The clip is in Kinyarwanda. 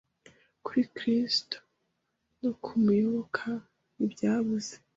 kuri Kristo no kumuyoboka ntibyabuze